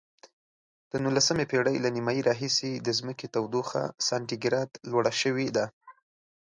د نولسمې پیړۍ له نیمایي راهیسې د ځمکې تودوخه سانتي ګراد لوړه شوې ده.